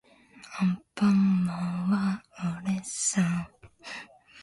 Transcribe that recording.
アンパンマンはおれっさー